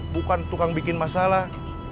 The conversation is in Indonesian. bukan tukang bikin masalah